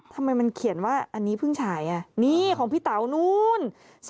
ทำไมมันเขียนว่าอันนี้เพิ่งฉายนี่ของพี่เต๋านู้น